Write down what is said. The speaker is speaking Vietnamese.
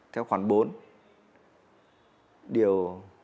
theo khoảng bốn điều hai trăm năm mươi một